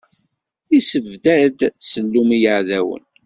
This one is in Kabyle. Issebdad ssellum i yiɛdawen.